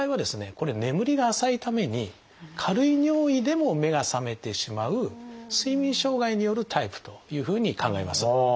これ眠りが浅いために軽い尿意でも目が覚めてしまう睡眠障害によるタイプというふうに考えます。